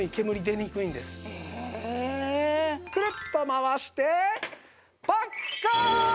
くるっと回してパッカーン！